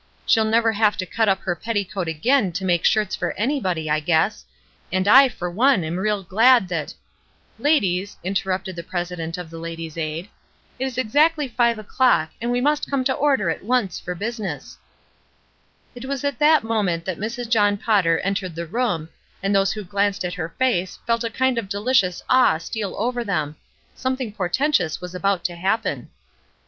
She'll never have to cut up her petticoat again to make shirts for anybody, I guess; and I for one am real glad that —" ''Ladies," interrupted the president of the Ladies' Aid, "it is exactly five o'clock, and we must come to order at once for business." 426 ESTER RIED'S NAMESAKE It was at that moment that Mrs. John Potter entered the room, and those who glanced at her face felt a kind of delicious awe steal over them; something portentous was about to happen.